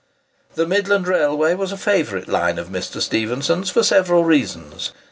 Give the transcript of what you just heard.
The Midland Railway was a favourite line of Mr. Stephenson's for several reasons.